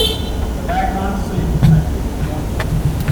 'But I can't swim,' I told the owner.